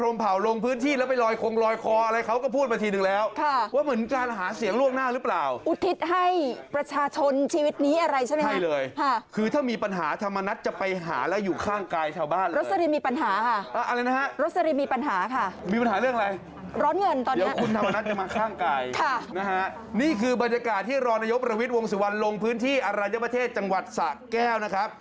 มาข้างไกลนะฮะนี่คือบรรยากาศที่รรณยกประวิศวงศ์สุวรรณลงพื้นที่อรัยประเทศจังหวัดสาแก้วนะครับ